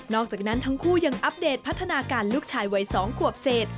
อกจากนั้นทั้งคู่ยังอัปเดตพัฒนาการลูกชายวัย๒ขวบเศษ